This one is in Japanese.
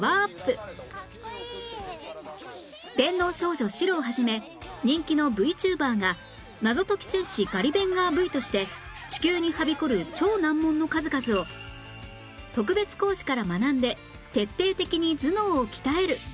電脳少女シロを始め人気の ＶＴｕｂｅｒ が謎解き戦士ガリベンガー Ｖ として地球にはびこる超難問の数々を特別講師から学んで徹底的に頭脳を鍛える！